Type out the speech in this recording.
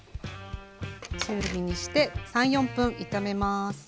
中火にして３４分炒めます。